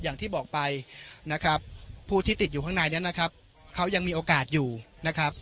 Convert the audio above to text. อย่างที่บอกไปนะครับผู้ที่ติดอยู่ข้างในนั้นนะครับเขายังมีโอกาสอยู่นะครับ